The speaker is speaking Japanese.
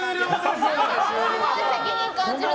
すごい責任感じる。